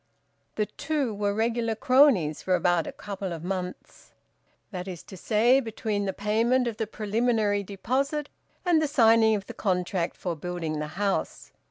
The two were regular cronies for about a couple of months that is to say, between the payment of the preliminary deposit and the signing of the contract for building the house.